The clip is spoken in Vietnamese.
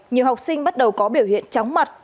nhiều học sinh bắt đầu có biểu hiện chóng mặt